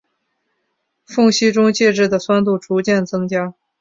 缝隙中介质的酸度逐渐增加。